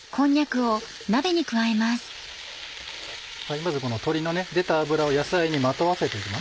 まず鶏の出た脂を野菜にまとわせていきます。